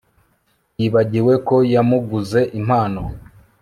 Yibagiwe ko yamuguze impano